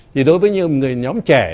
thì đối với những nhóm trẻ